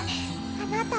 あなた獏？